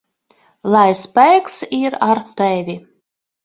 Lai spēks ir ar tevi!